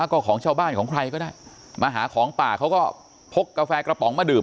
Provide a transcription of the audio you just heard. ก็ของชาวบ้านของใครก็ได้มาหาของป่าเขาก็พกกาแฟกระป๋องมาดื่ม